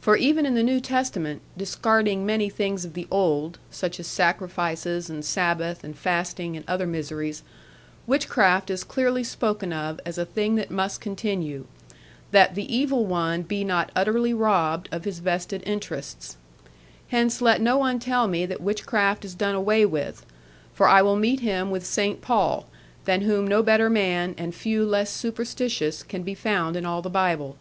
For even in the New Testament, discarding many things of the Old, such as sacrifices, and Sabbath, and fasting, and other miseries, witchcraft is clearly spoken of as a thing that must continue; that the Evil One be not utterly robbed of his vested interests. Hence let no one tell me that witchcraft is done away with; for I will meet him with St. Paul, than whom no better man, and few less superstitious, can be found in all the Bible.